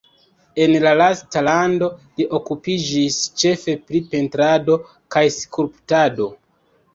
En la lasta lando li okupiĝis ĉefe pri pentrado kaj skulptado.